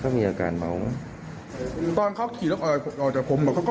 กินตั้งแต่๖โมงครับ